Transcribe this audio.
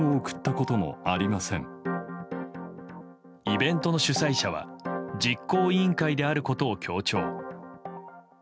イベントの主催者は実行委員会であることを強調。